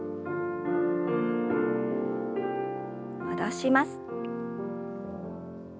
戻します。